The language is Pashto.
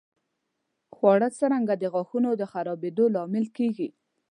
خواړه څرنګه د غاښونو د خرابېدو لامل کېږي؟